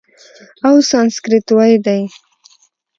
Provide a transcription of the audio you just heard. او سانسکریت ویی دی،